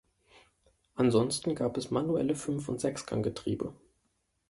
Ansonsten gab es manuelle Fünf- und Sechsgang-Getriebe.